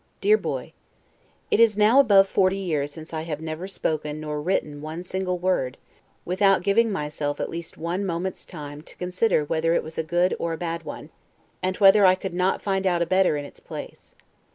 DEAR BOY: It is now above forty years since I have never spoken nor written one single word, without giving myself at least one moment's time to consider whether it was a good or a bad one, and whether I could not find out a better in its place.